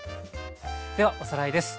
ではおさらいです。